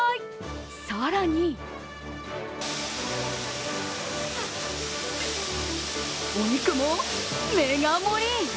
更にお肉もメガ盛り。